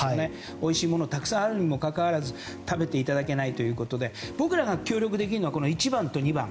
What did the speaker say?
おいしいものがたくさんあるにもかかわらず食べていただけないということで僕らが協力できるのは１番と２番。